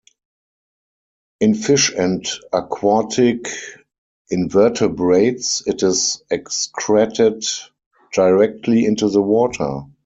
In fish and aquatic invertebrates, it is excreted directly into the water.